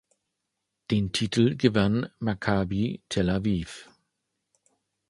Den Titel gewann Maccabi Tel Aviv.